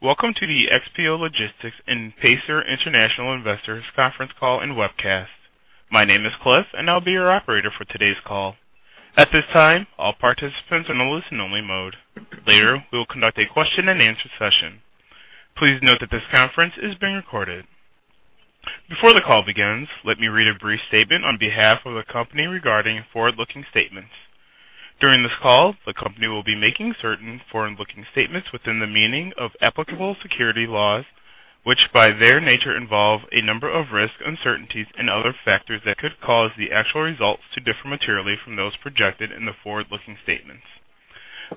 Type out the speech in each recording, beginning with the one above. Welcome to the XPO Logistics and Pacer International Investors Conference Call and Webcast. My name is Cliff, and I'll be your operator for today's call. At this time, all participants are in a listen-only mode. Later, we will conduct a question-and-answer session. Please note that this conference is being recorded. Before the call begins, let me read a brief statement on behalf of the company regarding forward-looking statements. During this call, the company will be making certain forward-looking statements within the meaning of applicable securities laws, which, by their nature, involve a number of risks, uncertainties, and other factors that could cause the actual results to differ materially from those projected in the forward-looking statements.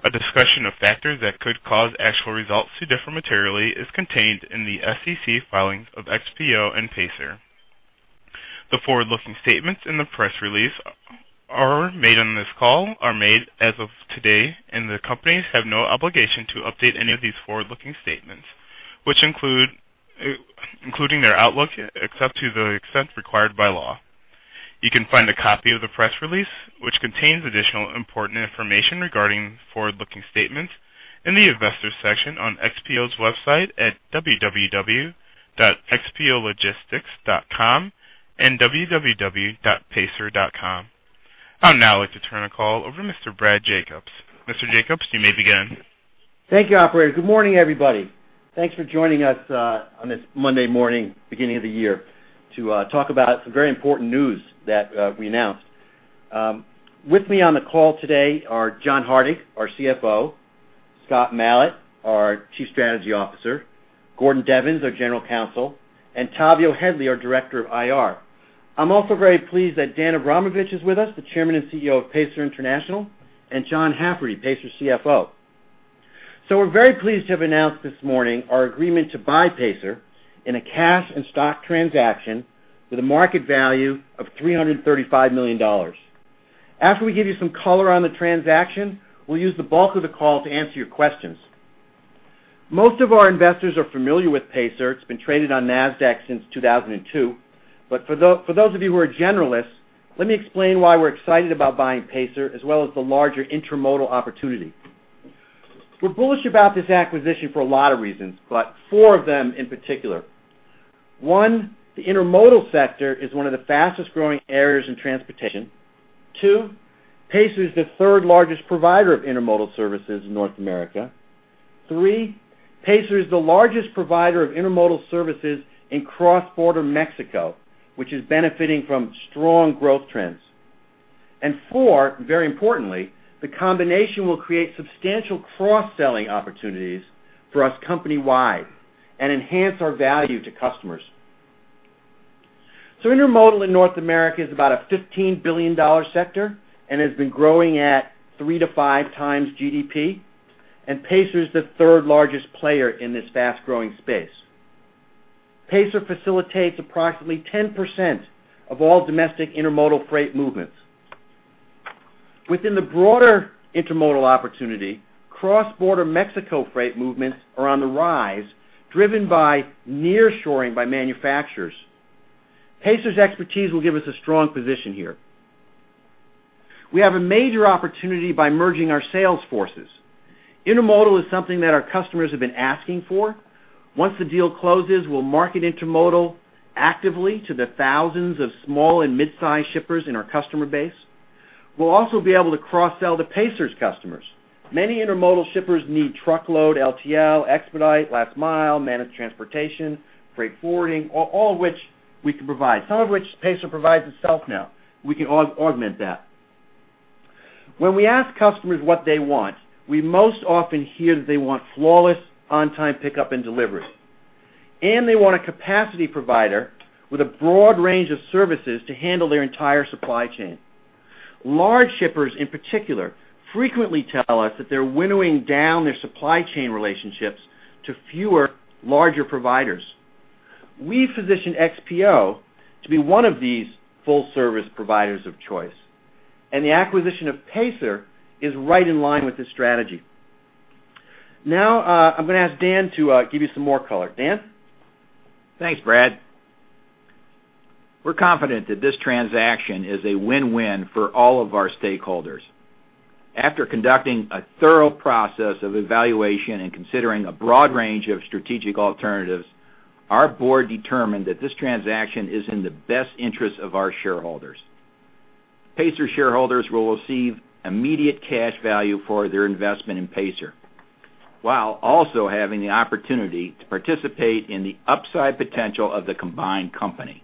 A discussion of factors that could cause actual results to differ materially is contained in the SEC filings of XPO and Pacer. The forward-looking statements in the press release are made on this call, are made as of today, and the companies have no obligation to update any of these forward-looking statements, which include their outlook, except to the extent required by law. You can find a copy of the press release, which contains additional important information regarding forward-looking statements, in the Investors section on XPO's website at www.xpologistics.com and www.pacer.com. I'd now like to turn the call over to Mr. Brad Jacobs. Mr. Jacobs, you may begin. Thank you, operator. Good morning, everybody. Thanks for joining us on this Monday morning, beginning of the year, to talk about some very important news that we announced. With me on the call today are John Hardig, our CFO, Scott Malat, our Chief Strategy Officer, Gordon Devens, our General Counsel, and Tavio Headley, our Director of IR. I'm also very pleased that Dan Avramovich is with us, the Chairman and CEO of Pacer International, and John Hafferty, Pacer's CFO. So we're very pleased to have announced this morning our agreement to buy Pacer in a cash and stock transaction with a market value of $335 million. After we give you some color on the transaction, we'll use the bulk of the call to answer your questions. Most of our investors are familiar with Pacer. It's been traded on Nasdaq since 2002. But for those of you who are generalists, let me explain why we're excited about buying Pacer as well as the larger intermodal opportunity. We're bullish about this acquisition for a lot of reasons, but four of them in particular. One, the intermodal sector is one of the fastest-growing areas in transportation. Two, Pacer is the third-largest provider of intermodal services in North America. Three, Pacer is the largest provider of intermodal services in cross-border Mexico, which is benefiting from strong growth trends. Four, very importantly, the combination will create substantial cross-selling opportunities for us company-wide and enhance our value to customers. So intermodal in North America is about a $15 billion sector and has been growing at 3x-5x GDP, and Pacer is the third-largest player in this fast-growing space. Pacer facilitates approximately 10% of all domestic intermodal freight movements. Within the broader intermodal opportunity, cross-border Mexico freight movements are on the rise, driven by nearshoring by manufacturers. Pacer's expertise will give us a strong position here. We have a major opportunity by merging our sales forces. Intermodal is something that our customers have been asking for. Once the deal closes, we'll market intermodal actively to the thousands of small and mid-sized shippers in our customer base. We'll also be able to cross-sell to Pacer's customers. Many intermodal shippers need truckload, LTL, expedite, last mile, managed transportation, freight forwarding, all of which we can provide, some of which Pacer provides itself now. We can augment that. When we ask customers what they want, we most often hear that they want flawless, on-time pickup and delivery, and they want a capacity provider with a broad range of services to handle their entire supply chain. Large shippers, in particular, frequently tell us that they're winnowing down their supply chain relationships to fewer, larger providers. We've positioned XPO to be one of these full-service providers of choice, and the acquisition of Pacer is right in line with this strategy. Now, I'm going to ask Dan to give you some more color. Dan? Thanks, Brad. We're confident that this transaction is a win-win for all of our stakeholders. After conducting a thorough process of evaluation and considering a broad range of strategic alternatives, our board determined that this transaction is in the best interest of our shareholders. Pacer shareholders will receive immediate cash value for their investment in Pacer, while also having the opportunity to participate in the upside potential of the combined company.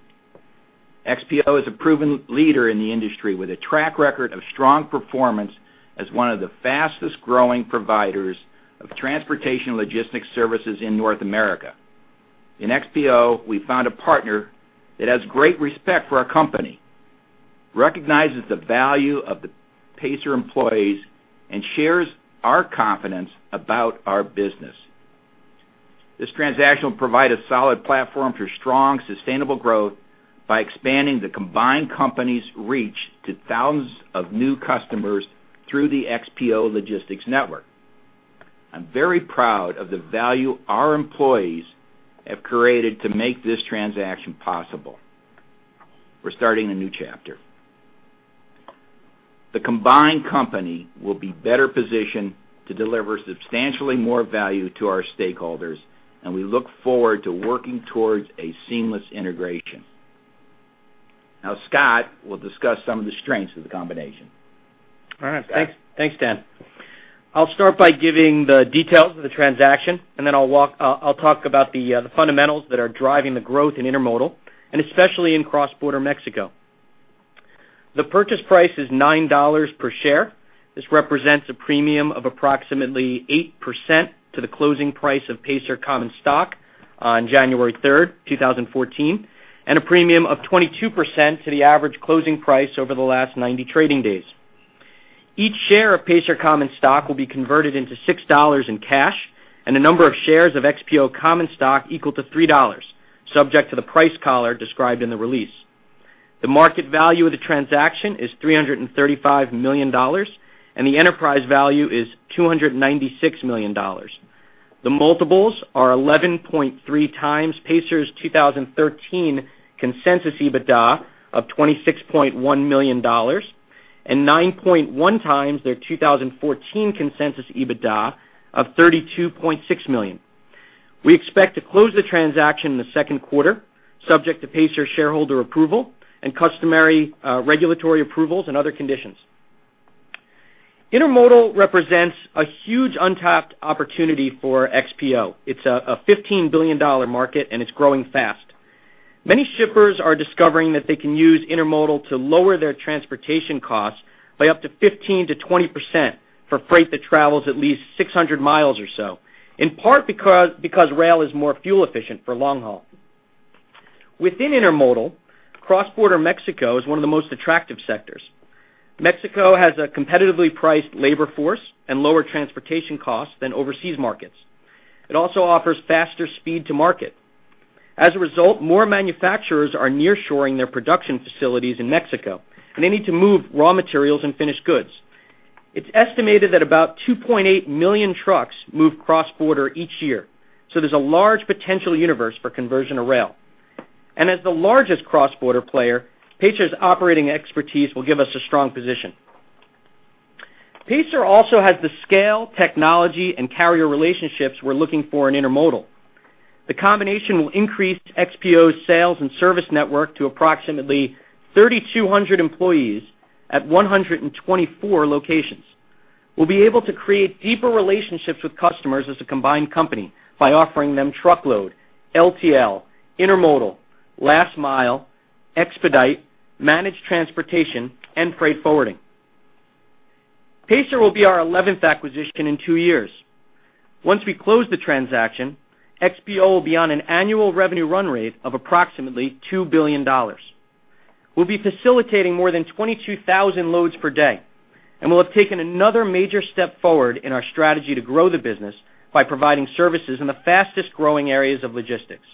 XPO is a proven leader in the industry, with a track record of strong performance as one of the fastest-growing providers of transportation logistics services in North America. In XPO, we found a partner that has great respect for our company, recognizes the value of the Pacer employees, and shares our confidence about our business. This transaction will provide a solid platform for strong, sustainable growth by expanding the combined company's reach to thousands of new customers through the XPO Logistics network. I'm very proud of the value our employees have created to make this transaction possible. We're starting a new chapter. The combined company will be better positioned to deliver substantially more value to our stakeholders, and we look forward to working towards a seamless integration. Now, Scott will discuss some of the strengths of the combination. All right, thanks. Thanks, Dan. I'll start by giving the details of the transaction, and then I'll talk about the fundamentals that are driving the growth in intermodal, and especially in cross-border Mexico. The purchase price is $9 per share. This represents a premium of approximately 8% to the closing price of Pacer common stock on January 3, 2014, and a premium of 22% to the average closing price over the last 90 trading days. Each share of Pacer common stock will be converted into $6 in cash and a number of shares of XPO common stock equal to $3, subject to the price collar described in the release. The market value of the transaction is $335 million, and the enterprise value is $296 million. The multiples are 11.3x Pacer's 2013 consensus EBITDA of $26.1 million, and 9.1x their 2014 consensus EBITDA of $32.6 million. We expect to close the transaction in the second quarter, subject to Pacer shareholder approval and customary regulatory approvals and other conditions. Intermodal represents a huge untapped opportunity for XPO. It's a $15 billion market, and it's growing fast. Many shippers are discovering that they can use intermodal to lower their transportation costs by up to 15%-20% for freight that travels at least 600 miles or so, in part because rail is more fuel efficient for long haul. Within intermodal, cross-border Mexico is one of the most attractive sectors. Mexico has a competitively priced labor force and lower transportation costs than overseas markets. It also offers faster speed to market. As a result, more manufacturers are nearshoring their production facilities in Mexico, and they need to move raw materials and finished goods. It's estimated that about 2.8 million trucks move cross-border each year, so there's a large potential universe for conversion to rail. As the largest cross-border player, Pacer's operating expertise will give us a strong position. Pacer also has the scale, technology, and carrier relationships we're looking for in intermodal. The combination will increase XPO's sales and service network to approximately 3,200 employees at 124 locations. We'll be able to create deeper relationships with customers as a combined company by offering them truckload, LTL, intermodal, last mile, expedite, managed transportation, and freight forwarding. Pacer will be our eleventh acquisition in two years. Once we close the transaction, XPO will be on an annual revenue run rate of approximately $2 billion. We'll be facilitating more than 22,000 loads per day, and we'll have taken another major step forward in our strategy to grow the business by providing services in the fastest-growing areas of logistics.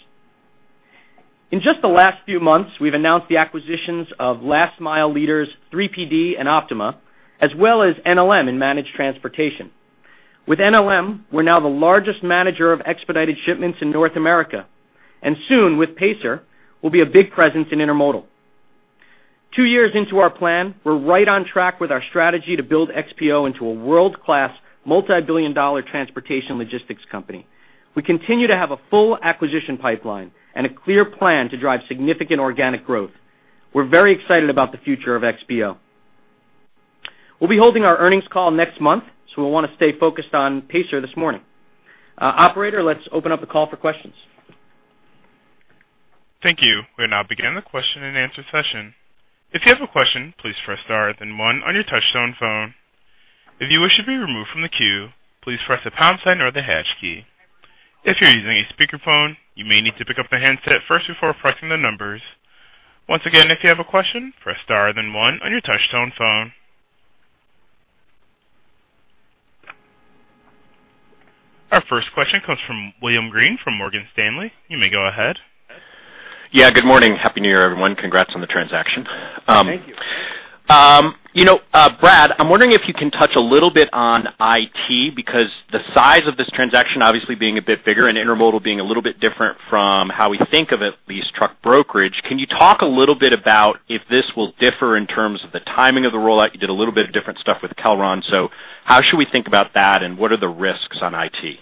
In just the last few months, we've announced the acquisitions of last mile leaders, 3PD and Optima, as well as NLM in managed transportation. With NLM, we're now the largest manager of expedited shipments in North America, and soon, with Pacer, we'll be a big presence in intermodal. Two years into our plan, we're right on track with our strategy to build XPO into a world-class, multibillion-dollar transportation logistics company. We continue to have a full acquisition pipeline and a clear plan to drive significant organic growth. We're very excited about the future of XPO. We'll be holding our earnings call next month, so we want to stay focused on Pacer this morning. Operator, let's open up the call for questions. Thank you. We're now beginning the question-and-answer session. If you have a question, please press star, then one on your touchtone phone. If you wish to be removed from the queue, please press the pound sign or the hash key. If you're using a speakerphone, you may need to pick up the handset first before pressing the numbers. Once again, if you have a question, press star then one on your touchtone phone. Our first question comes from William Greene from Morgan Stanley. You may go ahead. Yeah, good morning. Happy New Year, everyone. Congrats on the transaction. Thank you. You know, Brad, I'm wondering if you can touch a little bit on IT, because the size of this transaction obviously being a bit bigger and intermodal being a little bit different from how we think of it, at least truck brokerage. Can you talk a little bit about if this will differ in terms of the timing of the rollout? You did a little bit of different stuff with Kelron, so how should we think about that, and what are the risks on IT?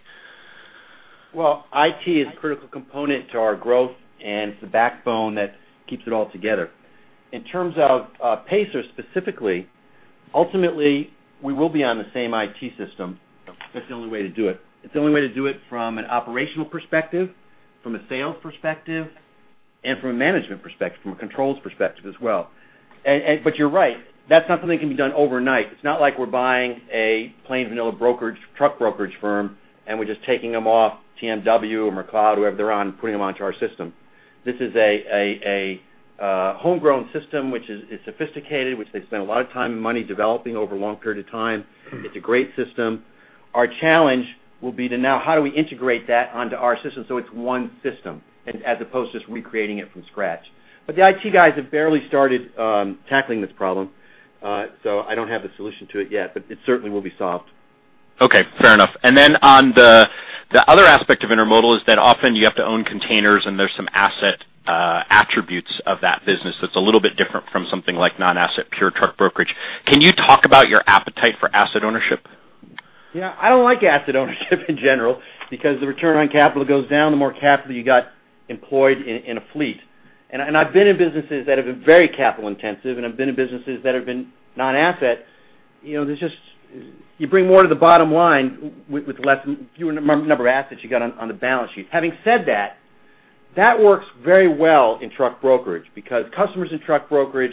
Well, IT is a critical component to our growth, and it's the backbone that keeps it all together. In terms of Pacer specifically, ultimately, we will be on the same IT system. That's the only way to do it. It's the only way to do it from an operational perspective, from a sales perspective, and from a management perspective, from a controls perspective as well. But you're right, that's not something that can be done overnight. It's not like we're buying a plain vanilla brokerage, truck brokerage firm, and we're just taking them off TMW or McLeod, whoever they're on, putting them onto our system. This is a homegrown system which is sophisticated, which they spent a lot of time and money developing over a long period of time. It's a great system. Our challenge will be to know how do we integrate that onto our system so it's one system, as opposed to just recreating it from scratch. But the IT guys have barely started tackling this problem, so I don't have the solution to it yet, but it certainly will be solved. Okay, fair enough. Then on the other aspect of intermodal is that often you have to own containers, and there's some asset attributes of that business that's a little bit different from something like non-asset, pure truck brokerage. Can you talk about your appetite for asset ownership? Yeah, I don't like asset ownership in general, because the return on capital goes down, the more capital you got employed in, in a fleet. I've been in businesses that have been very capital intensive, and I've been in businesses that have been non-asset. You know, there's just, you bring more to the bottom line with less, fewer num-number of assets you got on, on the balance sheet. Having said that, that works very well in truck brokerage because customers in truck brokerage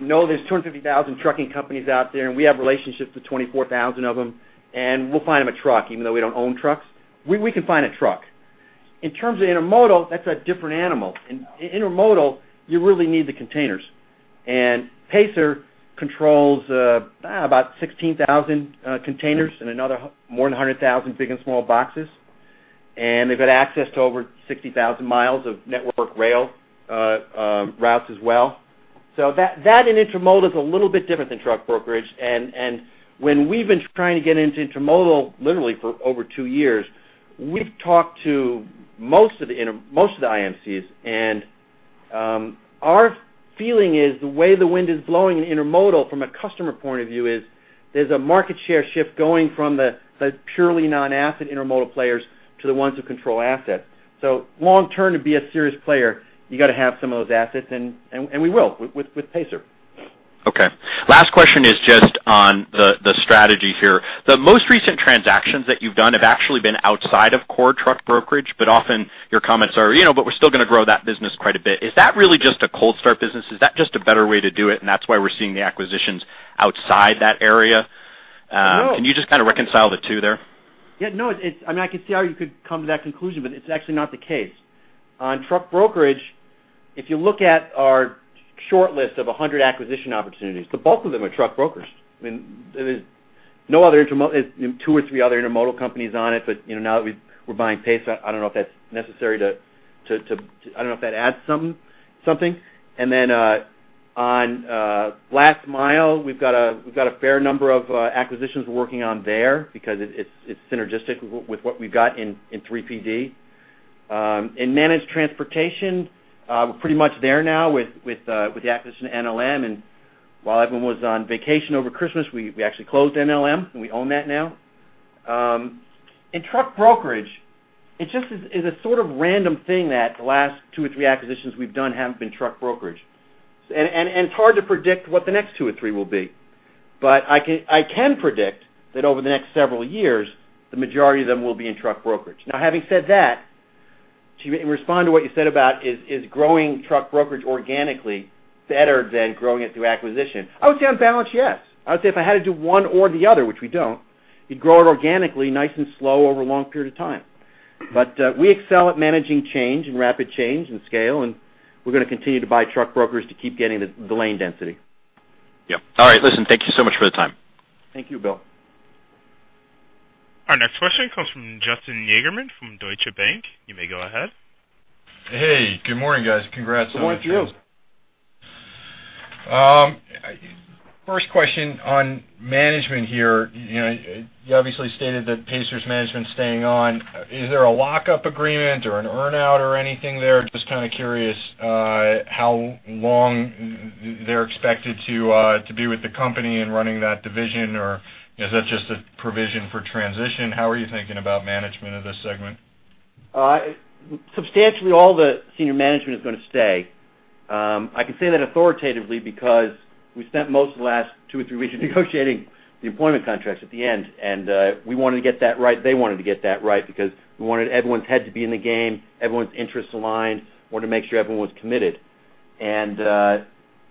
know there's 250,000 trucking companies out there, and we have relationships with 24,000 of them, and we'll find them a truck, even though we don't own trucks. We, we can find a truck. In terms of intermodal, that's a different animal. In intermodal, you really need the containers, and Pacer controls about 16,000 containers and another more than 100,000 big and small boxes and they've got access to over 60,000 miles of network rail routes as well. So that in intermodal is a little bit different than truck brokerage. When we've been trying to get into intermodal, literally for over two years, we've talked to most of the IMCs, and our feeling is the way the wind is blowing in intermodal from a customer point of view is, there's a market share shift going from the purely non-asset intermodal players to the ones who control assets. So long term, to be a serious player, you got to have some of those assets, and we will with Pacer. Okay. Last question is just on the strategy here. The most recent transactions that you've done have actually been outside of core truck brokerage, but often your comments are, "You know, but we're still going to grow that business quite a bit." Is that really just a cold start business? Is that just a better way to do it, and that's why we're seeing the acquisitions outside that area? Can you just kind of reconcile the two there? Yeah, no, it's—I mean, I can see how you could come to that conclusion, but it's actually not the case. On truck brokerage, if you look at our short list of 100 acquisition opportunities, the bulk of them are truck brokers. I mean, there's no other intermodal, two or three other intermodal companies on it, but, you know, now that we're buying Pacer, I don't know if that's necessary to, I don't know if that adds something. Then, on last mile, we've got a fair number of acquisitions we're working on there because it's synergistic with what we've got in 3PD. In managed transportation, we're pretty much there now with the acquisition of NLM, and while everyone was on vacation over Christmas, we actually closed NLM, and we own that now. In truck brokerage, it just is a sort of random thing that the last two or three acquisitions we've done have been truck brokerage and it's hard to predict what the next two or three will be. But I can predict that over the next several years, the majority of them will be in truck brokerage. Now, having said that, to respond to what you said about is growing truck brokerage organically better than growing it through acquisition? I would say on balance, yes. I would say if I had to do one or the other, which we don't, you grow it organically, nice and slow, over a long period of time. But, we excel at managing change and rapid change and scale, and we're going to continue to buy truck brokers to keep getting the lane density. Yeah. All right. Listen, thank you so much for the time. Thank you, Will. Our next question comes from Justin Yagerman from Deutsche Bank. You may go ahead. Hey, good morning, guys. Congrats on the- Good morning to you. First question on management here. You know, you obviously stated that Pacer's management is staying on. Is there a lockup agreement or an earn-out or anything there? Just kind of curious, how long they're expected to be with the company and running that division, or is that just a provision for transition? How are you thinking about management of this segment? Substantially all the senior management is going to stay. I can say that authoritatively because we spent most of the last two or three weeks negotiating the employment contracts at the end, and we wanted to get that right. They wanted to get that right because we wanted everyone's head to be in the game, everyone's interests aligned, wanted to make sure everyone was committed.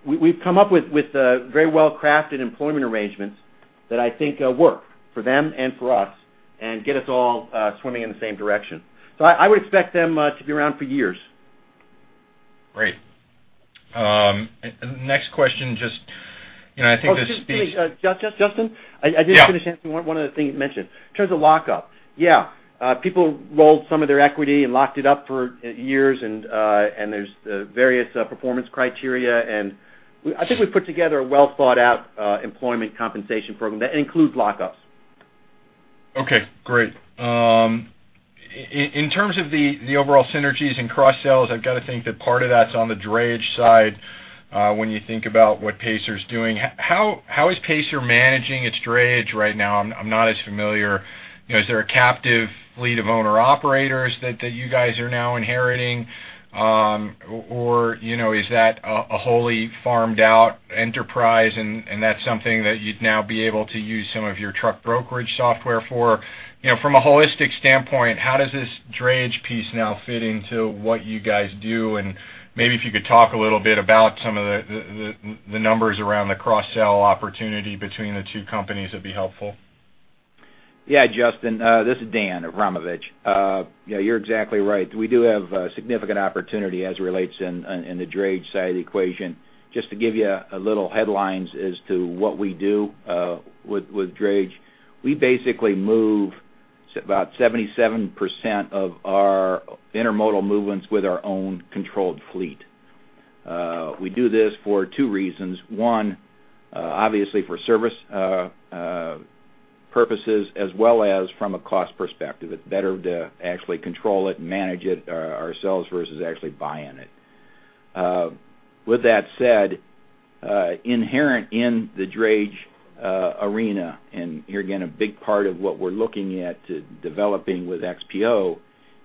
We've come up with very well-crafted employment arrangements that I think work for them and for us and get us all swimming in the same direction. So I would expect them to be around for years. Great. Next question, just, you know, I think this- Oh, excuse me, Justin? Yeah. I didn't finish answering one other thing you mentioned. In terms of lockup, yeah, people rolled some of their equity and locked it up for years, and and there's various performance criteria, and I think we put together a well-thought-out employment compensation program that includes lockups. Okay, great. In terms of the overall synergies and cross sales, I've got to think that part of that's on the drayage side, when you think about what Pacer's doing. How is Pacer managing its drayage right now? I'm not as familiar. You know, is there a captive fleet of owner-operators that you guys are now inheriting or, you know, is that a wholly farmed out enterprise, and that's something that you'd now be able to use some of your truck brokerage software for? You know, from a holistic standpoint, how does this drayage piece now fit into what you guys do and maybe if you could talk a little bit about some of the numbers around the cross-sell opportunity between the two companies, that'd be helpful. Yeah, Justin, this is Dan Avramovich. Yeah, you're exactly right. We do have significant opportunity as it relates in the drayage side of the equation. Just to give you a little headlines as to what we do with drayage, we basically move about 77% of our intermodal movements with our own controlled fleet. We do this for two reasons: one, obviously for service purposes as well as from a cost perspective. It's better to actually control it and manage it ourselves versus actually buying it. With that said, inherent in the drayage arena, and here, again, a big part of what we're looking at to developing with XPO,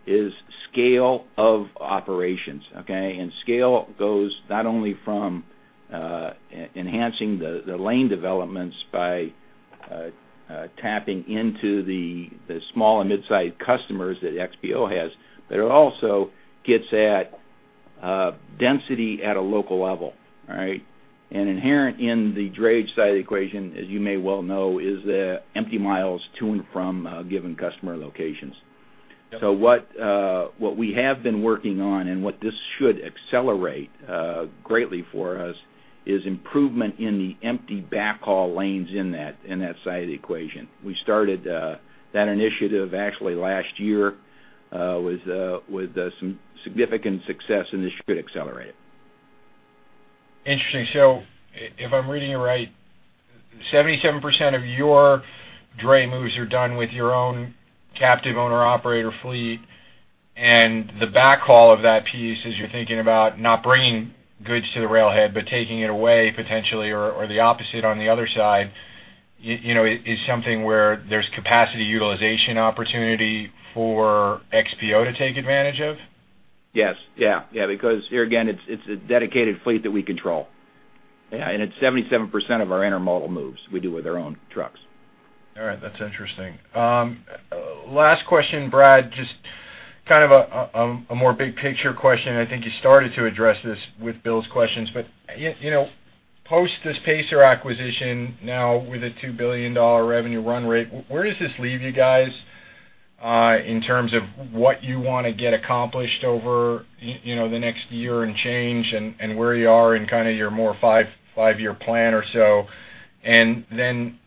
is scale of operations, okay? Scale goes not only from enhancing the lane developments by tapping into the small and mid-sized customers that XPO has, but it also gets at density at a local level, all right? Inherent in the drayage side of the equation, as you may well know, is the empty miles to and from given customer locations. So what we have been working on and what this should accelerate greatly for us is improvement in the empty backhaul lanes in that side of the equation. We started that initiative actually last year with some significant success, and this should accelerate it. Interesting. So if I'm reading it right, 77% of your dray moves are done with your own captive owner-operator fleet, and the backhaul of that piece, as you're thinking about not bringing goods to the railhead, but taking it away potentially, or the opposite on the other side, you know, is something where there's capacity utilization opportunity for XPO to take advantage of? Yes. Yeah, yeah, because here again, it's a dedicated fleet that we control. Yeah, and it's 77% of our intermodal moves we do with our own trucks. All right, that's interesting. Last question, Brad. Just kind of a more big picture question, I think you started to address this with Bill's questions. But you know, post this Pacer acquisition, now with a $2 billion revenue run rate, where does this leave you guys in terms of what you want to get accomplished over you know, the next year and change and where you are in kind of your more five-year plan or so? Then,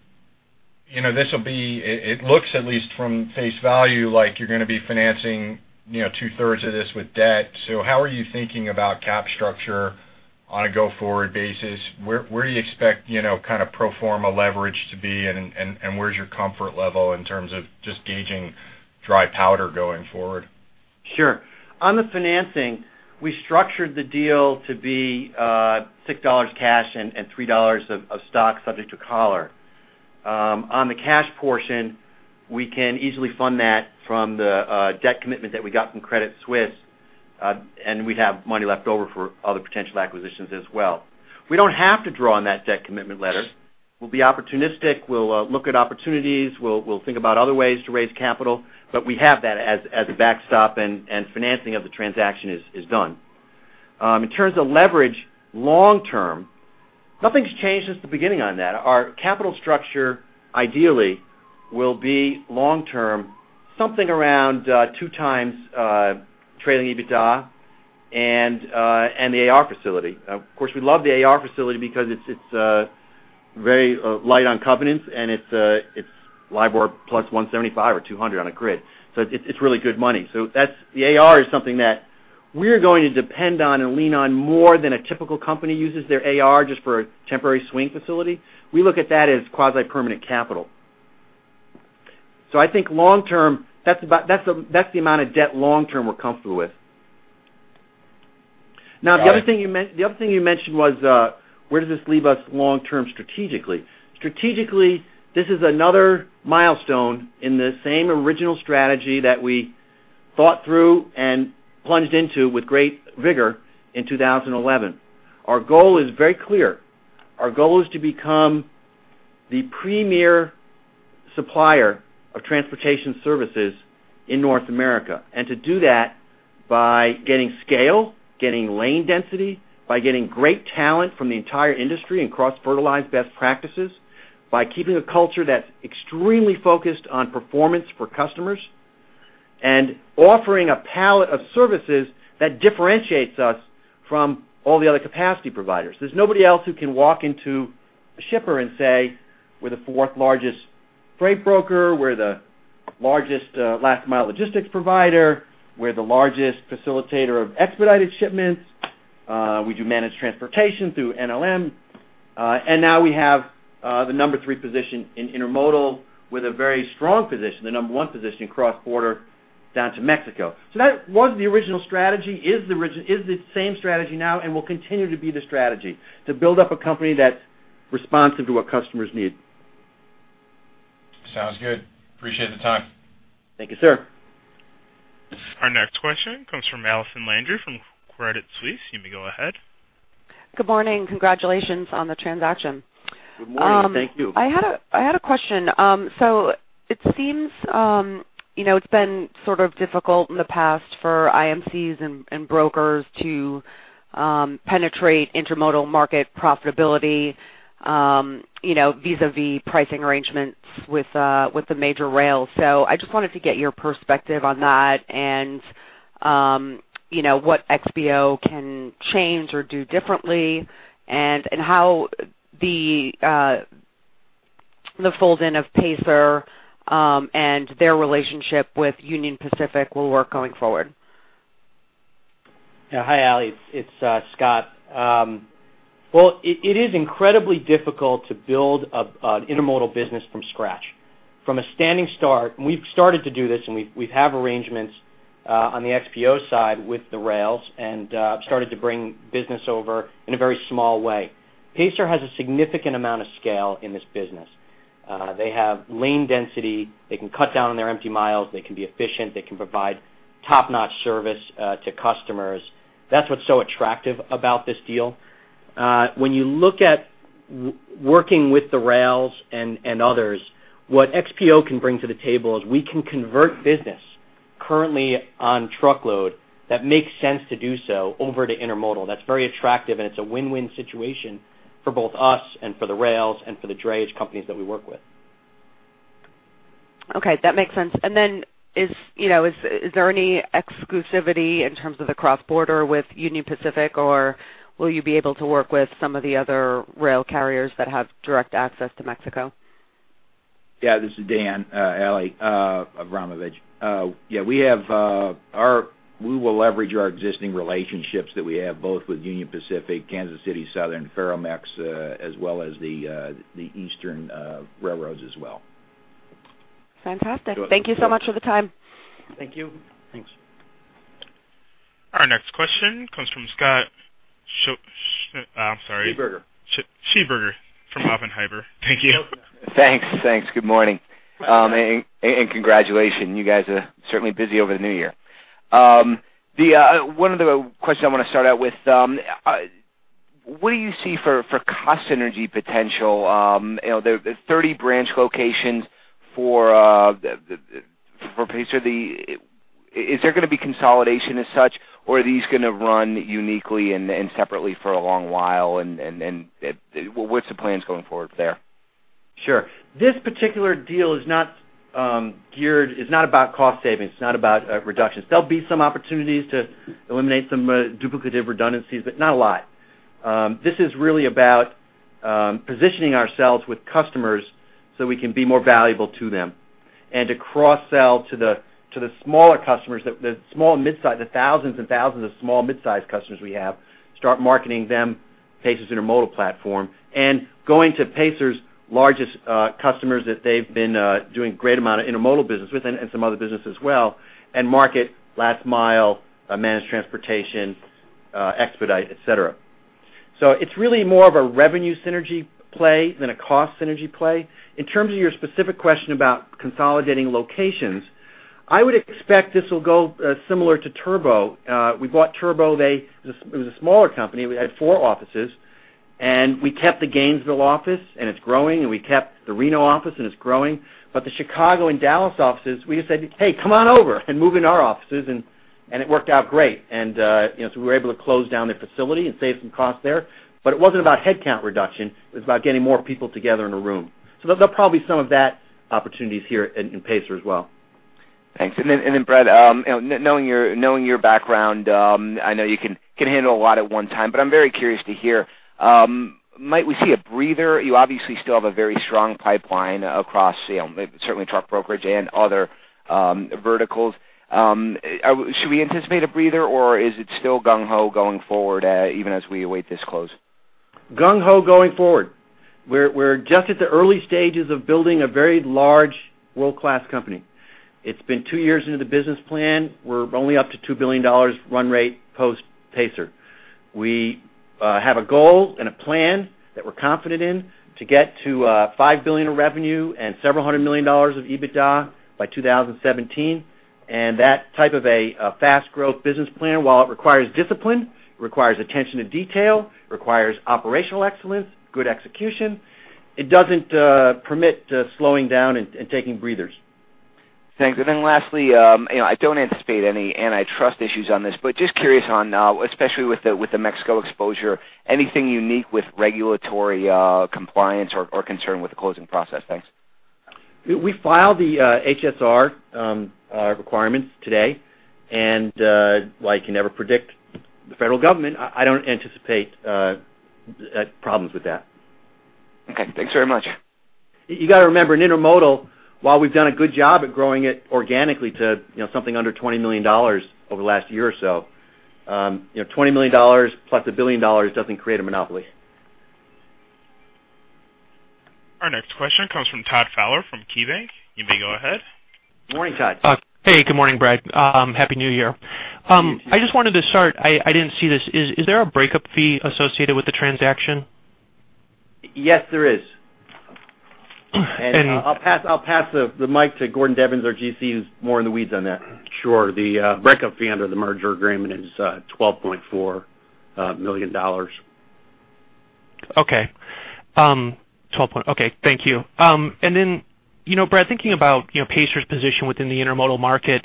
you know, this will be, it looks at least from face value like you're going to be financing 2/3 of this with debt. So how are you thinking about cap structure on a go-forward basis? Where do you expect, you know, kind of pro forma leverage to be, and where's your comfort level in terms of just gauging dry powder going forward? Sure. On the financing, we structured the deal to be $6 cash and $3 of stock subject to collar. On the cash portion, we can easily fund that from the debt commitment that we got from Credit Suisse, and we'd have money left over for other potential acquisitions as well. We don't have to draw on that debt commitment letter. We'll be opportunistic, we'll look at opportunities, we'll think about other ways to raise capital, but we have that as a backstop and financing of the transaction is done. In terms of leverage, long term, nothing's changed since the beginning on that. Our capital structure, ideally, will be long term, something around 2x trailing EBITDA and the AR facility. Of course, we love the AR facility because it's very light on covenants, and it's LIBOR+ 175 or 200 on a grid. So it's really good money. So that's—the AR is something that we're going to depend on and lean on more than a typical company uses their AR just for a temporary swing facility. We look at that as quasi-permanent capital. So I think long term, that's the amount of debt long term we're comfortable with. Now, the other thing you mentioned was where does this leave us long term, strategically? Strategically, this is another milestone in the same original strategy that we thought through and plunged into with great rigor in 2011. Our goal is very clear. Our goal is to become the premier supplier of transportation services in North America, and to do that by getting scale, getting lane density, by getting great talent from the entire industry, and cross-fertilize best practices, by keeping a culture that's extremely focused on performance for customers, and offering a palette of services that differentiates us from all the other capacity providers. There's nobody else who can walk into a shipper and say, "We're the 4th largest freight broker, we're the largest last mile logistics provider, we're the largest facilitator of expedited shipments, we do managed transportation through NLM, and now we have the number three position in intermodal with a very strong position, the number one position in cross-border down to Mexico." So that was the original strategy, is the same strategy now and will continue to be the strategy, to build up a company that's responsive to what customers need. Sounds good. Appreciate the time. Thank you, sir. Our next question comes from Allison Landry from Credit Suisse. You may go ahead. Good morning. Congratulations on the transaction. Good morning. Thank you. I had a question. So it seems, you know, it's been sort of difficult in the past for IMCs and brokers to penetrate intermodal market profitability, you know, vis-a-vis pricing arrangements with the major rails. So I just wanted to get your perspective on that and, you know, what XPO can change or do differently, and how the fold in of Pacer and their relationship with Union Pacific will work going forward? Yeah. Hi, Ally, it's Scott. Well, it is incredibly difficult to build an intermodal business from scratch. From a standing start, and we've started to do this, and we have arrangements on the XPO side with the rails, and started to bring business over in a very small way. Pacer has a significant amount of scale in this business. They have lane density, they can cut down on their empty miles, they can be efficient, they can provide top-notch service to customers. That's what's so attractive about this deal. When you look at working with the rails and others, what XPO can bring to the table is we can convert business currently on truckload that makes sense to do so over to intermodal. That's very attractive, and it's a win-win situation for both us and for the rails and for the drayage companies that we work with. Okay, that makes sense. Then, you know, is there any exclusivity in terms of the cross-border with Union Pacific, or will you be able to work with some of the other rail carriers that have direct access to Mexico? Yeah, this is Dan Avramovich. Yeah, we have, we will leverage our existing relationships that we have, both with Union Pacific, Kansas City Southern, Ferromex, as well as the Eastern railroads as well. Fantastic. Thank you so much for the time. Thank you. Thanks. Our next question comes from Scott Schneeberger, I'm sorry. Sheberger. Schneeberger from Oppenheimer. Thank you. Thanks. Thanks. Good morning and congratulations. You guys are certainly busy over the new year. One of the questions I want to start out with, what do you see for cost synergy potential, you know, the 30 branch locations for Pacer. Is there going to be consolidation as such, or are these going to run uniquely and separately for a long while? What's the plans going forward there? Sure. This particular deal is not, it's not about cost savings, it's not about reductions. There'll be some opportunities to eliminate some duplicative redundancies, but not a lot. This is really about positioning ourselves with customers so we can be more valuable to them, and to cross-sell to the smaller customers, the small and midsize, the thousands and thousands of small mid-sized customers we have, start marketing them Pacer's intermodal platform. Going to Pacer's largest customers that they've been doing a great amount of intermodal business with and some other businesses as well, and market last mile, managed transportation, expedite, et cetera. So it's really more of a revenue synergy play than a cost synergy play. In terms of your specific question about consolidating locations, I would expect this will go similar to Turbo. We bought Turbo, it was a smaller company. We had four offices, and we kept the Gainesville office, and it's growing, and we kept the Reno office, and it's growing. But the Chicago and Dallas offices, we just said, "Hey, come on over and move in our offices." It worked out great and you know, so we were able to close down their facility and save some costs there. But it wasn't about headcount reduction, it was about getting more people together in a room. So there'll probably some of that opportunities here in Pacer as well. Thanks. Then, Brad, you know, knowing your background, I know you can handle a lot at one time, but I'm very curious to hear, might we see a breather? You obviously still have a very strong pipeline across, you know, certainly truck brokerage and other verticals. Should we anticipate a breather, or is it still gung ho going forward, even as we await this close? Gung ho going forward. We're just at the early stages of building a very large world-class company. It's been two years into the business plan. We're only up to $2 billion run rate post Pacer. We have a goal and a plan that we're confident in to get to $5 billion of revenue and several hundred million dollars of EBITDA by 2017. That type of a fast growth business plan, while it requires discipline, requires attention to detail, requires operational excellence, good execution, it doesn't permit slowing down and taking breathers. Thanks. Then lastly, you know, I don't anticipate any antitrust issues on this, but just curious on, especially with the Mexico exposure, anything unique with regulatory compliance or concern with the closing process? Thanks. We filed the HSR requirements today, and well, I can never predict the federal government. I don't anticipate problems with that. Okay, thanks very much. You got to remember, in intermodal, while we've done a good job at growing it organically to, you know, something under $20 million over the last year or so, you know, $20 million + $1 billion doesn't create a monopoly. Our next question comes from Todd Fowler from KeyBanc. You may go ahead. Morning, Todd. Hey, good morning, Brad. Happy New Year. I just wanted to start, I didn't see this. Is there a breakup fee associated with the transaction? Yes, there is. And- I'll pass the mic to Gordon Devens, our GC, who's more in the weeds on that. Sure. The breakup fee under the merger agreement is $12.4 million. Okay. Okay, thank you. Then, you know, Brad, thinking about, you know, Pacer's position within the intermodal market,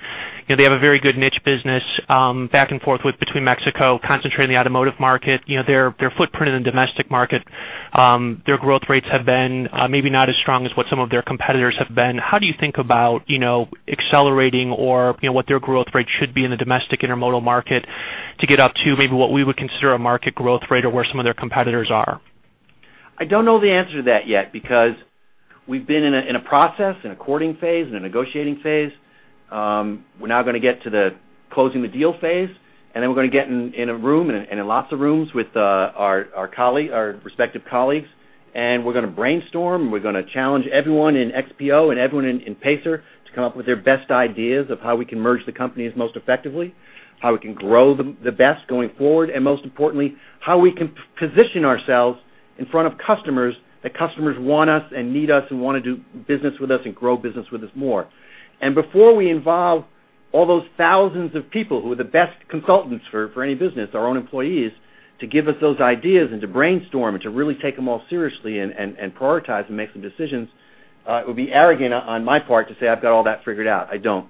you know, they have a very good niche business, back and forth between Mexico, concentrating the automotive market. You know, their footprint in the domestic market, their growth rates have been maybe not as strong as what some of their competitors have been. How do you think about, you know, accelerating or, you know, what their growth rate should be in the domestic intermodal market?... to get up to maybe what we would consider a market growth rate or where some of their competitors are? I don't know the answer to that yet, because we've been in a process, in a courting phase, in a negotiating phase. We're now gonna get to the closing the deal phase, and then we're gonna get in a room, and in lots of rooms with our respective colleagues. We're gonna brainstorm, and we're gonna challenge everyone in XPO and everyone in Pacer to come up with their best ideas of how we can merge the companies most effectively, how we can grow the best going forward, and most importantly, how we can position ourselves in front of customers, that customers want us and need us, and want to do business with us and grow business with us more. Before we involve all those thousands of people who are the best consultants for any business, our own employees, to give us those ideas and to brainstorm and to really take them all seriously and prioritize and make some decisions, it would be arrogant on my part to say, I've got all that figured out. I don't.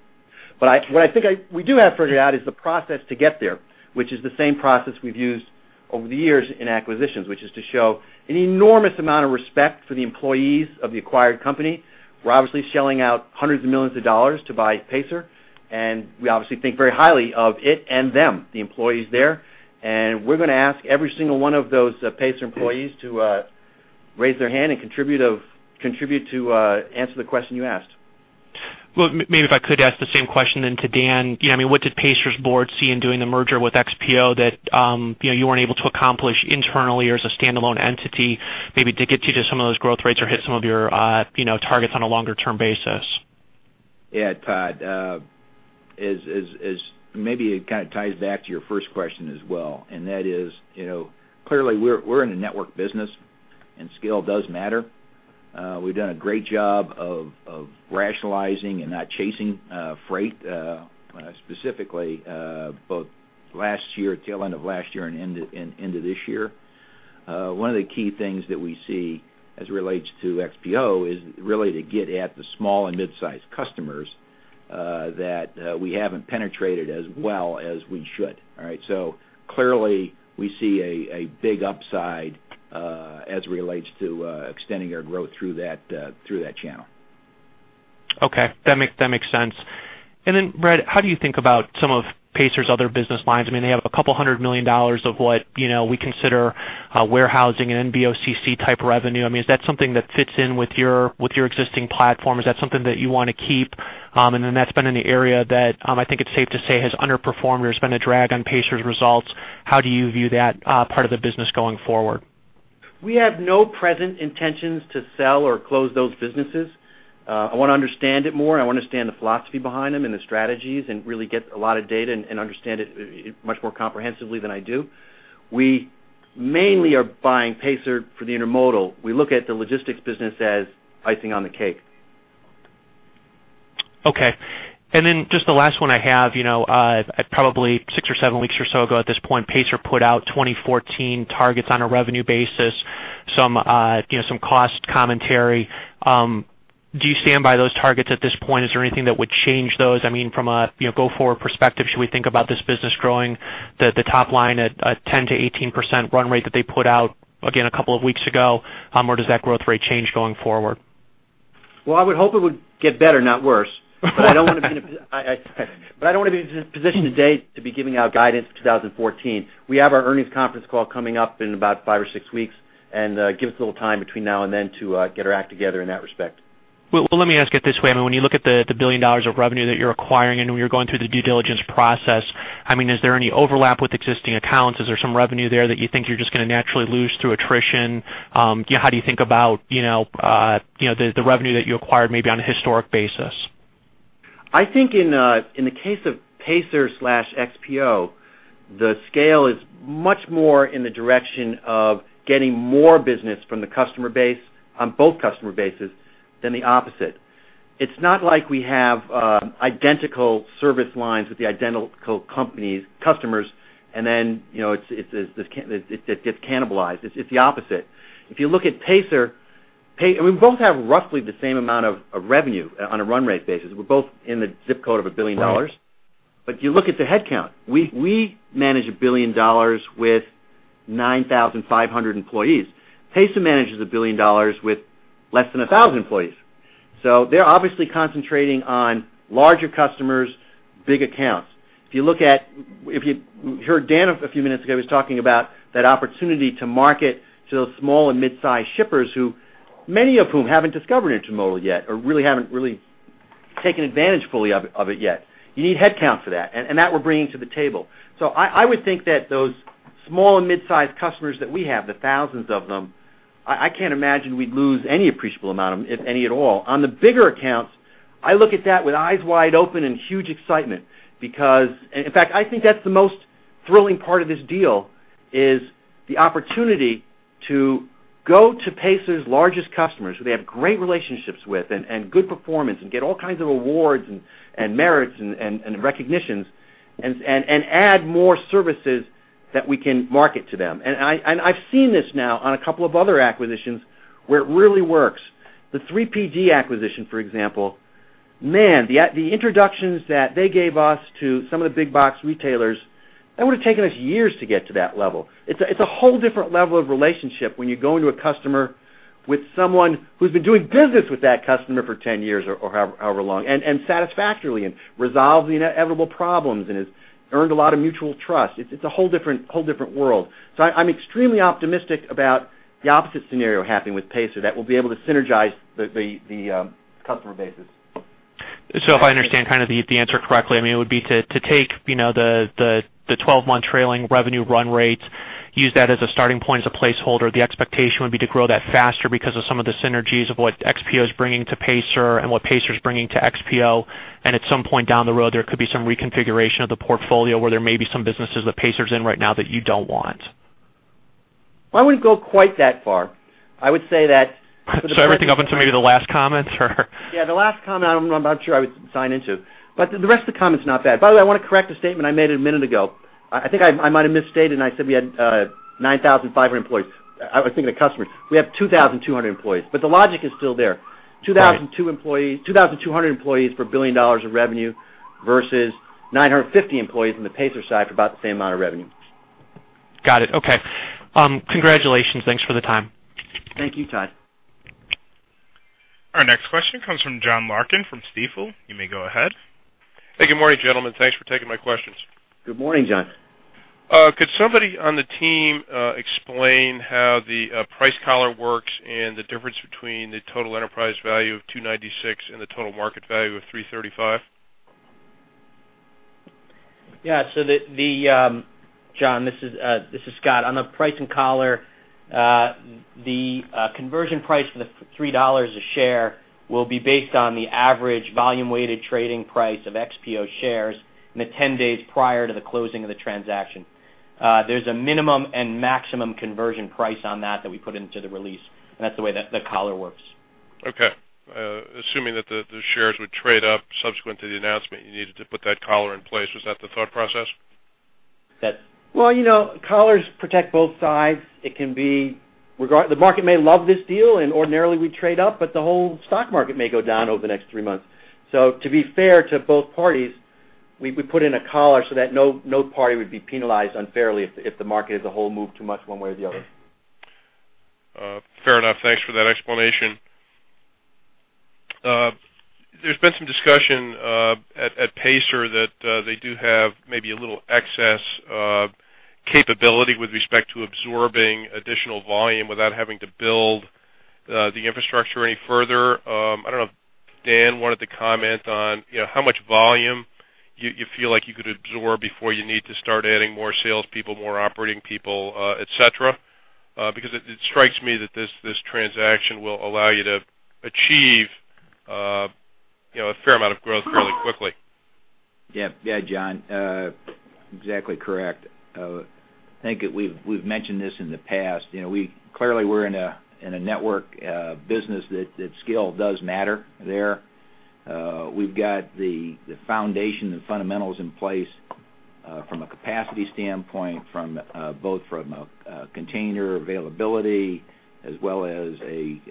But what I think we do have figured out is the process to get there, which is the same process we've used over the years in acquisitions, which is to show an enormous amount of respect for the employees of the acquired company. We're obviously shelling out hundreds of millions of dollars to buy Pacer, and we obviously think very highly of it and them, the employees there. We're gonna ask every single one of those Pacer employees to raise their hand and contribute to answer the question you asked. Well, maybe if I could ask the same question then to Dan. You know, I mean, what did Pacer's board see in doing the merger with XPO that, you know, you weren't able to accomplish internally or as a standalone entity, maybe to get you to some of those growth rates or hit some of your, you know, targets on a longer term basis? Yeah, Todd, as maybe it kind of ties back to your first question as well, and that is, you know, clearly we're in a network business, and scale does matter. We've done a great job of rationalizing and not chasing freight specifically both last year, tail end of last year and end of this year. One of the key things that we see as it relates to XPO is really to get at the small and mid-sized customers that we haven't penetrated as well as we should, all right? So clearly, we see a big upside as it relates to extending our growth through that channel. Okay, that makes, that makes sense. Then, Brad, how do you think about some of Pacer's other business lines? I mean, they have hundred million dollars of what, you know, we consider warehousing and NBOCC type revenue. I mean, is that something that fits in with your, with your existing platform? Is that something that you want to keep? Then that's been in the area that I think it's safe to say has underperformed or has been a drag on Pacer's results. How do you view that part of the business going forward? We have no present intentions to sell or close those businesses. I wanna understand it more. I wanna understand the philosophy behind them and the strategies, and really get a lot of data and understand it much more comprehensively than I do. We mainly are buying Pacer for the intermodal. We look at the logistics business as icing on the cake. Okay. Then just the last one I have, you know, probably six or seven weeks or so ago, at this point, Pacer put out 2014 targets on a revenue basis, some, you know, some cost commentary. Do you stand by those targets at this point? Is there anything that would change those? I mean, from a, you know, go-forward perspective, should we think about this business growing the top line at a 10%-18% run rate that they put out again a couple of weeks ago or does that growth rate change going forward? Well, I would hope it would get better, not worse. But I don't want to be in a position today to be giving out guidance for 2014. We have our earnings conference call coming up in about five or six weeks, and give us a little time between now and then to get our act together in that respect. Well, let me ask it this way: I mean, when you look at the billion dollars of revenue that you're acquiring and when you're going through the due diligence process, I mean, is there any overlap with existing accounts? Is there some revenue there that you think you're just gonna naturally lose through attrition? How do you think about, you know, you know, the revenue that you acquired, maybe on a historic basis? I think in, in the case of Pacer/XPO, the scale is much more in the direction of getting more business from the customer base, on both customer bases than the opposite. It's not like we have identical service lines with the identical companies, customers, and then, you know, it gets cannibalized. It's the opposite. If you look at Pacer, we both have roughly the same amount of, of revenue on a run rate basis. We're both in the ZIP code of billion dollars. But if you look at the headcount, we, we manage a billion dollars with 9,500 employees. Pacer manages a billion dollars with less than 1,000 employees. So they're obviously concentrating on larger customers, big accounts. If you look at... If you heard Dan a few minutes ago, he was talking about that opportunity to market to those small and mid-sized shippers who, many of whom haven't discovered intermodal yet or really haven't taken advantage fully of it yet. You need headcount for that, and that we're bringing to the table. So I would think that those small and mid-sized customers that we have, the thousands of them, I can't imagine we'd lose any appreciable amount of them, if any, at all. On the bigger accounts, I look at that with eyes wide open and huge excitement because... In fact, I think that's the most thrilling part of this deal, is the opportunity to go to Pacer's largest customers, who they have great relationships with and good performance, and get all kinds of awards and merits and recognitions, and add more services that we can market to them. I've seen this now on a couple of other acquisitions where it really works. The 3PD acquisition, for example. Man, the introductions that they gave us to some of the big box retailers, that would have taken us years to get to that level. It's a, it's a whole different level of relationship when you go into a customer with someone who's been doing business with that customer for ten years or, or however, however long, and, and satisfactorily, and resolved the inevitable problems and has earned a lot of mutual trust. It's, it's a whole different, whole different world. So I, I'm extremely optimistic about the opposite scenario happening with Pacer, that we'll be able to synergize the, the, the, customer bases. So if I understand kind of the answer correctly, I mean, it would be to take, you know, the 12-month trailing revenue run rate, use that as a starting point, as a placeholder. The expectation would be to grow that faster because of some of the synergies of what XPO is bringing to Pacer and what Pacer is bringing to XPO. At some point down the road, there could be some reconfiguration of the portfolio, where there may be some businesses that Pacer's in right now that you don't want. I wouldn't go quite that far. I would say that- So everything up until maybe the last comment or? Yeah, the last comment, I'm not sure I would sign into, but the rest of the comment is not bad. By the way, I want to correct a statement I made a minute ago. I think I might have misstated, and I said we had 9,500 employees. I was thinking of customers. We have 2,200 employees, but the logic is still there. 2,002 employees- 2,200 employees for billion dollars of revenue, versus 950 employees on the Pacer side for about the same amount of revenue. Got it. Okay. Congratulations. Thanks for the time. Thank you, Todd. Our next question comes from John Larkin from Stifel. You may go ahead. Hey, good morning, gentlemen. Thanks for taking my questions. Good morning, John. Could somebody on the team explain how the price collar works and the difference between the total enterprise value of $296 and the total market value of $335? Yeah, so John, this is Scott. On the pricing collar, the conversion price for the $3 a share will be based on the average volume-weighted trading price of XPO shares in the 10 days prior to the closing of the transaction. There's a minimum and maximum conversion price on that that we put into the release, and that's the way that the collar works. Okay. Assuming that the shares would trade up subsequent to the announcement, you needed to put that collar in place. Was that the thought process? That- Well, you know, collars protect both sides. It can be regarded—the market may love this deal, and ordinarily, we trade up, but the whole stock market may go down over the next three months. So to be fair to both parties, we put in a collar so that no party would be penalized unfairly if the market as a whole moved too much one way or the other. Fair enough. Thanks for that explanation. There's been some discussion at Pacer that they do have maybe a little excess capability with respect to absorbing additional volume without having to build the infrastructure any further. I don't know if Dan wanted to comment on, you know, how much volume you feel like you could absorb before you need to start adding more salespeople, more operating people, et cetera? Because it strikes me that this transaction will allow you to achieve, you know, a fair amount of growth fairly quickly. Yeah. Yeah, John, exactly correct. I think that we've, we've mentioned this in the past. You know, we clearly we're in a, in a network business that, that scale does matter there. We've got the, the foundation, the fundamentals in place, from a capacity standpoint both from a, a container availability as well as a,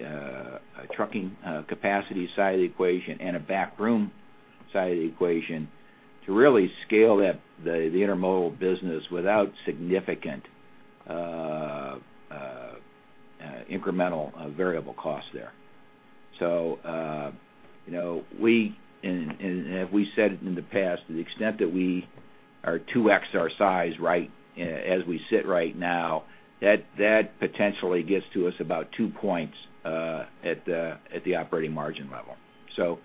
a trucking, capacity side of the equation and a backroom side of the equation to really scale that, the, the intermodal business without significant, incremental, variable costs there. So, you know, we and, and as we said it in the past, to the extent that we are 2x our size, right, as we sit right now, that, that potentially gets to us about two points, at the, at the operating margin level. So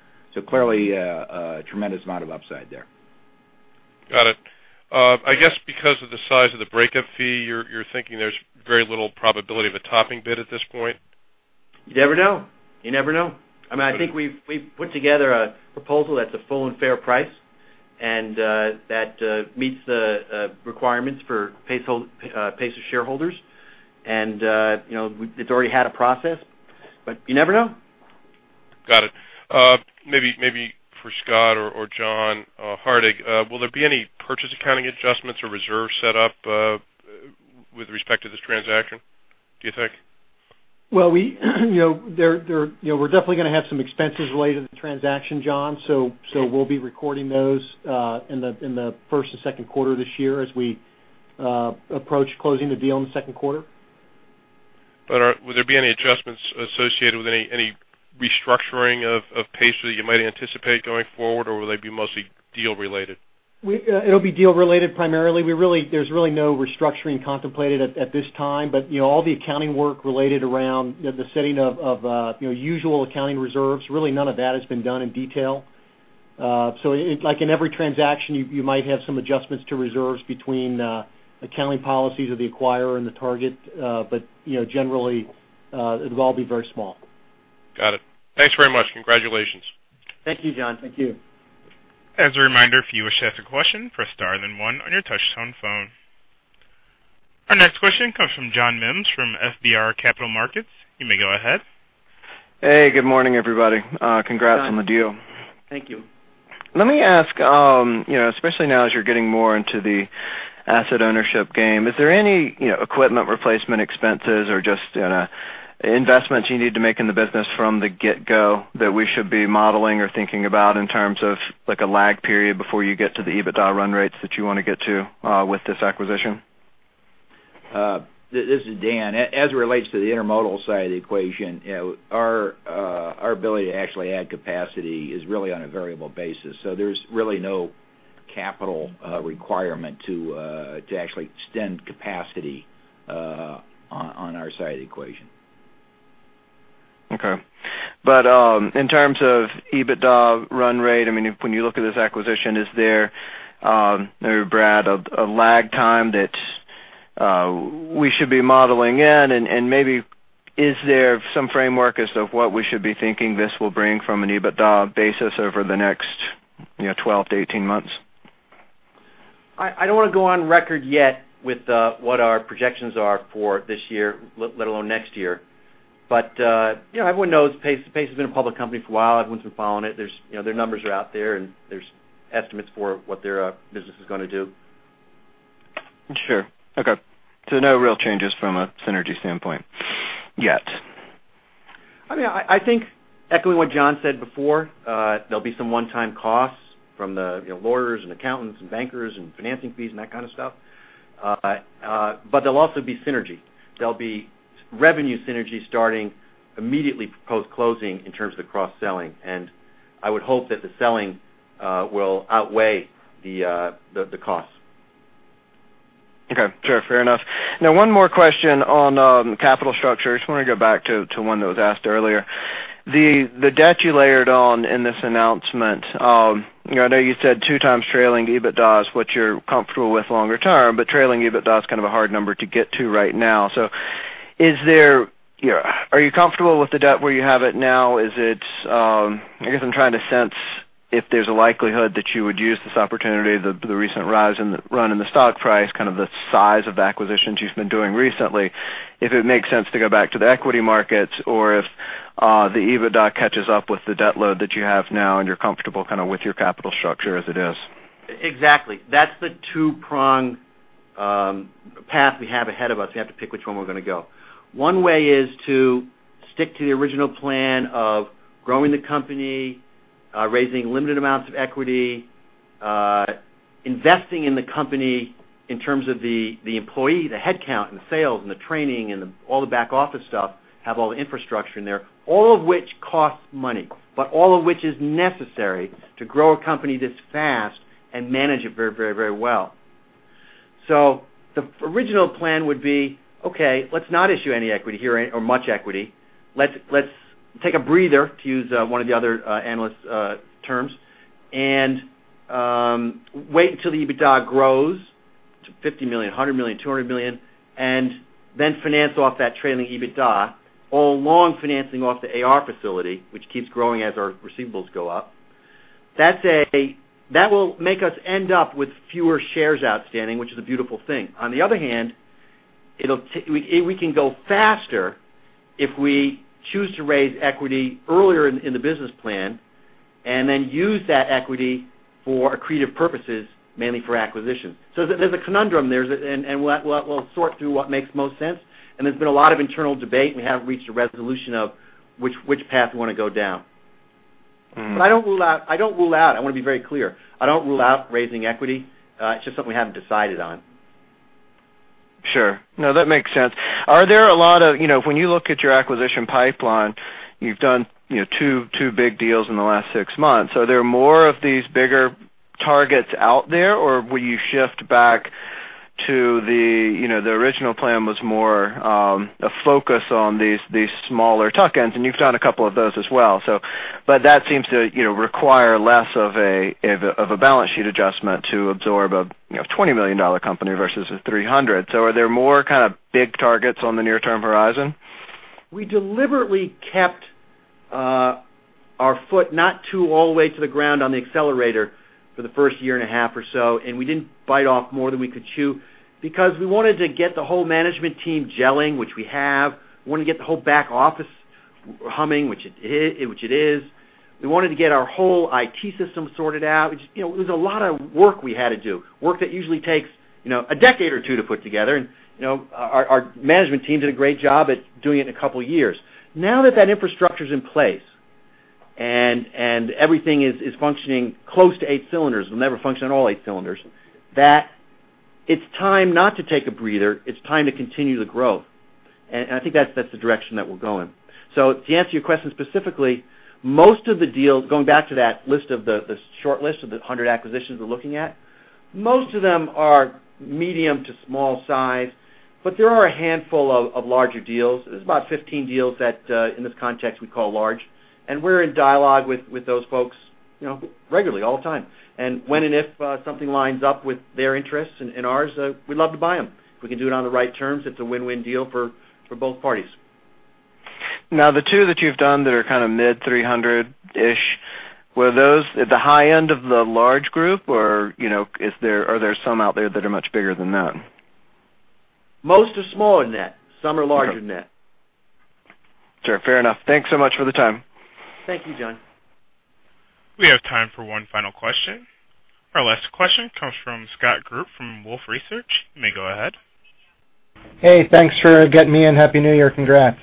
clearly, a tremendous amount of upside there. Got it. I guess because of the size of the breakup fee, you're thinking there's very little probability of a topping bid at this point? You never know. You never know. I mean, I think we've put together a proposal that's a full and fair price, and that meets the requirements for Pacer shareholders and you know, we – it's already had a process, but you never know. Got it. Maybe for Scott or John Hardig, will there be any purchase accounting adjustments or reserve set up with respect to this transaction, do you think? Well, you know, there, you know, we're definitely going to have some expenses related to the transaction, John. So, we'll be recording those in the first or second quarter this year as we approach closing the deal in the second quarter. But will there be any adjustments associated with any restructuring of Pacer that you might anticipate going forward, or will they be mostly deal related? We'll be deal related primarily. We really—there's really no restructuring contemplated at this time, but, you know, all the accounting work related around the setting of, you know, usual accounting reserves, really none of that has been done in detail. So like in every transaction, you might have some adjustments to reserves between accounting policies of the acquirer and the target, but, you know, generally, it'll all be very small. Got it. Thanks very much. Congratulations. Thank you, John. Thank you. As a reminder, if you wish to ask a question, press star, then one on your touchtone phone. Our next question comes from John Mims from FBR Capital Markets. You may go ahead. Hey, good morning, everybody. Congrats on the deal. Thank you. Let me ask, you know, especially now as you're getting more into the asset ownership game, is there any, you know, equipment replacement expenses or just, investments you need to make in the business from the get-go that we should be modeling or thinking about in terms of like a lag period before you get to the EBITDA run rates that you want to get to, with this acquisition? This is Dan. As it relates to the intermodal side of the equation, you know, our ability to actually add capacity is really on a variable basis, so there's really no capital requirement to actually extend capacity on our side of the equation. Okay. But in terms of EBITDA run rate, I mean, when you look at this acquisition, is there maybe Brad, a lag time that we should be modeling in and maybe is there some framework as to what we should be thinking this will bring from an EBITDA basis over the next, you know, 12 to 18 months? I don't wanna go on record yet with what our projections are for this year, let alone next year. But, you know, everyone knows Pace. Pace has been a public company for a while. Everyone's been following it. There's, you know, their numbers are out there, and there's estimates for what their business is gonna do. Sure. Okay. So no real changes from a synergy standpoint yet? I mean, I think echoing what John said before, there'll be some one-time costs from the, you know, lawyers and accountants and bankers and financing fees and that kind of stuff but there'll also be synergy. There'll be revenue synergy starting immediately post-closing in terms of the cross-selling, and I would hope that the selling will outweigh the costs. Okay, sure. Fair enough. Now, one more question on capital structure. I just wanna go back to one that was asked earlier. The debt you layered on in this announcement, you know, I know you said 2x trailing EBITDA is what you're comfortable with longer term, but trailing EBITDA is kind of a hard number to get to right now. So is there... You know, are you comfortable with the debt where you have it now? I guess I'm trying to sense if there's a likelihood that you would use this opportunity, the recent rise in the run in the stock price, kind of the size of the acquisitions you've been doing recently, if it makes sense to go back to the equity markets, or if the EBITDA catches up with the debt load that you have now, and you're comfortable kind of with your capital structure as it is. Exactly. That's the two-prong path we have ahead of us. We have to pick which one we're gonna go. One way is to stick to the original plan of growing the company, raising limited amounts of equity, investing in the company in terms of the employee, the headcount, and the sales, and the training, and all the back office stuff, have all the infrastructure in there, all of which costs money, but all of which is necessary to grow a company this fast and manage it very, very, very well. So the original plan would be, okay, let's not issue any equity here or much equity. Let's take a breather, to use one of the other analysts' terms, and wait until the EBITDA grows to $50 million, $100 million, $200 million, and then finance off that trailing EBITDA, all along financing off the AR facility, which keeps growing as our receivables go up. That will make us end up with fewer shares outstanding, which is a beautiful thing. On the other hand, we can go faster if we choose to raise equity earlier in the business plan and then use that equity for accretive purposes, mainly for acquisitions. So there's a conundrum there, and we'll sort through what makes most sense, and there's been a lot of internal debate, and we haven't reached a resolution of which path we want to go down. But I don't rule out. I want to be very clear. I don't rule out raising equity. It's just something we haven't decided on. Sure. No, that makes sense. Are there a lot of you know, when you look at your acquisition pipeline, you've done, you know, two big deals in the last six months. Are there more of these bigger targets out there, or will you shift back to the you know, the original plan was more a focus on these smaller tuck-ins, and you've done a couple of those as well. So, but that seems to, you know, require less of a balance sheet adjustment to absorb a, you know, $20 million company versus a $300 million. So are there more kind of big targets on the near-term horizon? We deliberately kept our foot not too all the way to the ground on the accelerator for the first year and a half or so, and we didn't bite off more than we could chew because we wanted to get the whole management team gelling, which we have. We wanted to get the whole back office humming, which it is, which it is. We wanted to get our whole IT system sorted out. Which, you know, it was a lot of work we had to do, work that usually takes, you know, a decade or two to put together. You know, our management team did a great job at doing it in a couple of years. Now that that infrastructure's in place and everything is functioning close to eight cylinders, we'll never function on all eight cylinders, that it's time not to take a breather. It's time to continue the growth, and I think that's the direction that we're going. So to answer your question specifically, most of the deals, going back to that list of the short list of the 100 acquisitions we're looking at, most of them are medium to small size, but there are a handful of larger deals. There's about 15 deals that in this context, we call large, and we're in dialogue with those folks, you know, regularly, all the time and when and if something lines up with their interests and ours, we'd love to buy them. We can do it on the right terms, it's a win-win deal for both parties. Now, the two that you've done that are kind of mid-300-ish, were those at the high end of the large group, or, you know, is there, are there some out there that are much bigger than that? Most are smaller than that. Some are larger than that. Sure, fair enough. Thanks so much for the time. Thank you, John. We have time for one final question. Our last question comes from Scott Group, from Wolfe Research. You may go ahead. Hey, thanks for getting me in. Happy New Year. Congrats.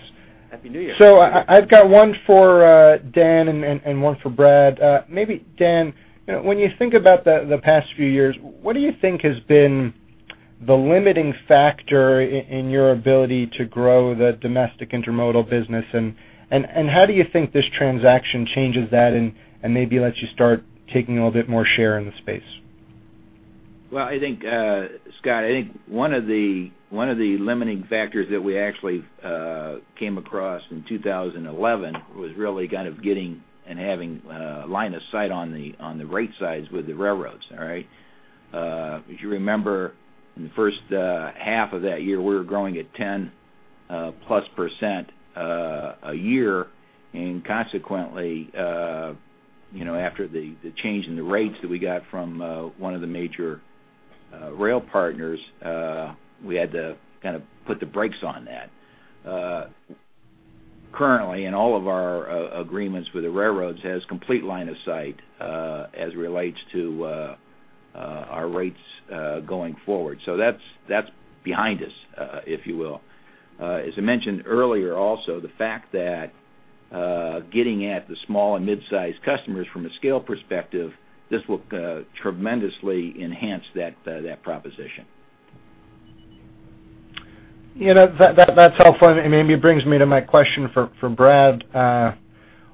Happy New Year. So, I've got one for Dan and one for Brad. Maybe, Dan, you know, when you think about the past few years, what do you think has been the limiting factor in your ability to grow the domestic intermodal business? How do you think this transaction changes that and maybe lets you start taking a little bit more share in the space? Well, I think, Scott, I think one of the, one of the limiting factors that we actually came across in 2011 was really kind of getting and having line of sight on the, on the rate sides with the railroads, all right? If you remember, in the first half of that year, we were growing at 10%+ a year, and consequently, you know, after the, the change in the rates that we got from one of the major rail partners, we had to kind of put the brakes on that. Currently, in all of our agreements with the railroads has complete line of sight as it relates to our rates going forward. So that's, that's behind us, if you will. As I mentioned earlier, also, the fact that getting at the small and mid-sized customers from a scale perspective, this will tremendously enhance that, that proposition. Yeah, that, that, that's helpful, and maybe it brings me to my question for, for Brad.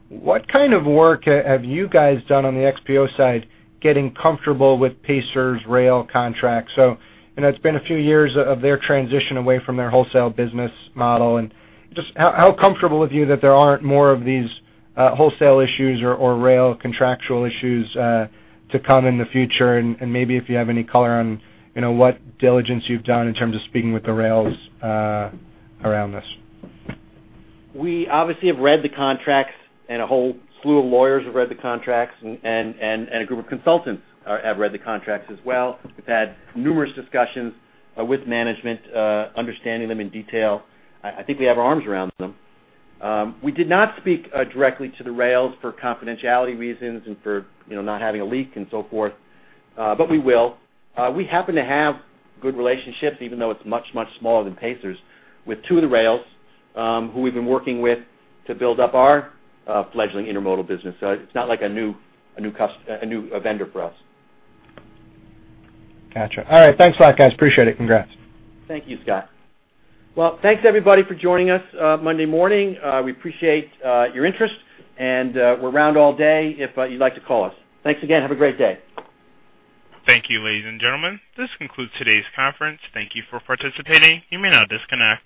What kind of work have you guys done on the XPO side, getting comfortable with Pacer's rail contract? So, you know, it's been a few years of their transition away from their wholesale business model. Just how, how comfortable are you that there aren't more of these wholesale issues or rail contractual issues to come in the future? And, and maybe if you have any color on, you know, what diligence you've done in terms of speaking with the rails around this. We obviously have read the contracts, and a whole slew of lawyers have read the contracts, and a group of consultants have read the contracts as well. We've had numerous discussions with management, understanding them in detail. I think we have our arms around them. We did not speak directly to the rails for confidentiality reasons and for, you know, not having a leak and so forth, but we will. We happen to have good relationships, even though it's much, much smaller than Pacer's, with two of the rails, who we've been working with to build up our fledgling intermodal business. It's not like a new vendor for us. Gotcha. All right. Thanks a lot, guys. Appreciate it. Congrats. Thank you, Scott. Well, thanks, everybody, for joining us Monday morning. We appreciate your interest, and we're around all day if you'd like to call us. Thanks again. Have a great day. Thank you, ladies and gentlemen. This concludes today's conference. Thank you for participating. You may now disconnect.